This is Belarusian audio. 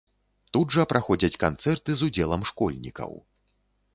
Тут жа праходзяць канцэрты з удзелам школьнікаў.